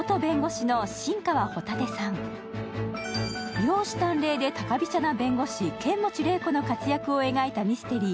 容姿端麗で高飛車な弁護士、剣持麗子の活躍を描いたミステリー。